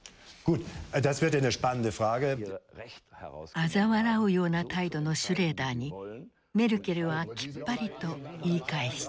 あざ笑うような態度のシュレーダーにメルケルはきっぱりと言い返した。